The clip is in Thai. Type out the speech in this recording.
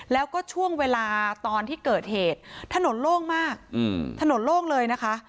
แล้วก็ช่วงเวลาตอนที่เกิดเหตุถนนโล่งมากถนนโล่งเลยนะคะ